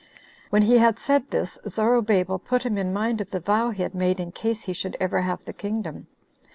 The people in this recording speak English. When he had said this, Zorobabel put him in mind of the vow he had made in case he should ever have the kingdom.